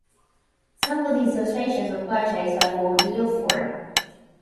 Some of these illustrations were purchased by Lord Lilford.